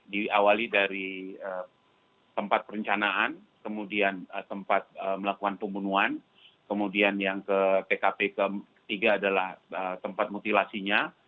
diawali dari tempat perencanaan kemudian tempat melakukan pembunuhan kemudian yang ke tkp ketiga adalah tempat mutilasinya